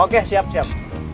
oke siap siap